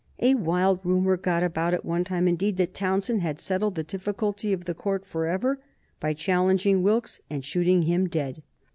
A wild rumor got about at one time, indeed, that Townshend had settled the difficulty of the Court forever by challenging Wilkes and shooting him dead.